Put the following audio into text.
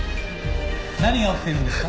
何が起きているんですか？